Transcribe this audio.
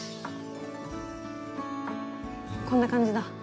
こんな感じだ。